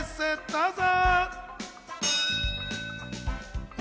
どうぞ。